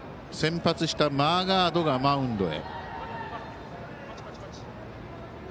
先発したマーガードがマウンドへ。